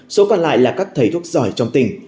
số còn lại là các thầy thuốc giỏi trong tỉnh